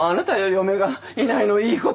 嫁がいないのいいことに。